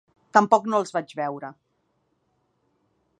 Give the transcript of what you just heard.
Tampoc no els vaig veure.